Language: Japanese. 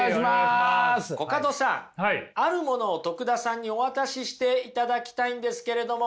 コカドさんあるものを徳田さんにお渡ししていただきたいんですけれども。